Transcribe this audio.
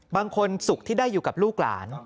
สุขที่ได้อยู่กับลูกหลาน